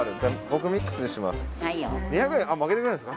僕ミックスにします。